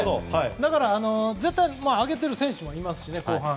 だから、絶対に上げている選手もいますし後半。